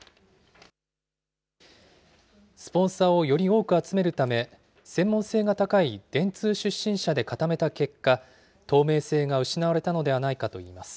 スポンサーをより多く集めるため、専門性が高い電通出身者で固めた結果、透明性が失われたのではないかといいます。